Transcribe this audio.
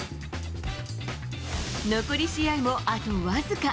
残り試合もあと僅か。